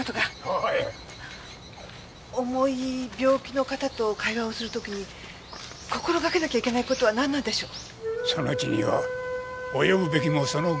重い病気の方と会話をする時に心がけなきゃいけない事はなんなんでしょう？